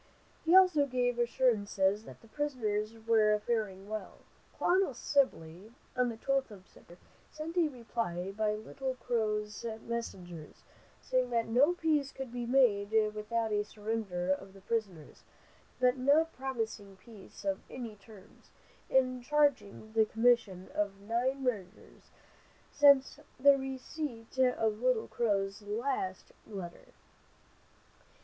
He also gave assurances that the prisoners were faring well. Colonel Sibley, on the 12th of September, sent a reply by Little Crow's messengers, saying that no peace could be made without a surrender of the prisoners, but not promising peace on any terms, and charging the commission of nine murders since the receipt of Little Crow's last letter.